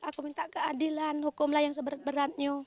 aku minta keadilan hukumlah yang seberat beratnya